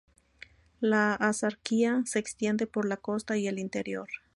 La Axarquía se extiende por la costa y el interior.